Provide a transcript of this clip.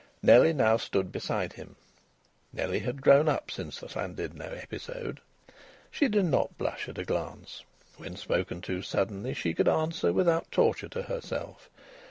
Nellie now stood beside him. Nellie had grown up since the Llandudno episode. She did not blush at a glance. When spoken to suddenly she could answer without torture to herself.